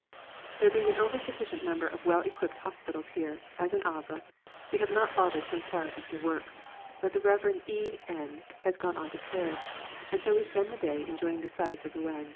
There being an over sufficient number of well equipped hospitals here, as in Havre, we have not bothered to inquire after work, but the Rev. E N has gone on to Paris, and so we spent the day enjoying the sights of Rouen.